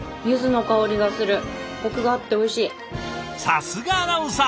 さすがアナウンサー！